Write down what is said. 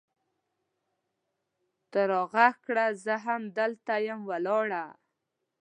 ته راږغ کړه! زه هم هلته یم ولاړه